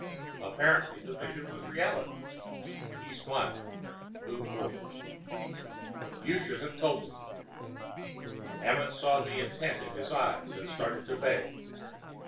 Abruptly the vision was reality. He smiled, moved forward. "You shouldn't have told me." Amenth saw the intent in his eyes and started to beg.